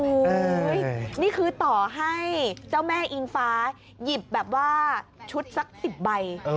โอ้โหนี่คือต่อให้เจ้าแม่อิงฟ้าหยิบแบบว่าชุดสัก๑๐ใบ